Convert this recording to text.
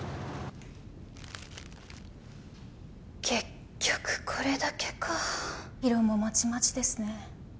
結局これだけか色もまちまちですね